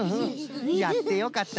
やってよかったな。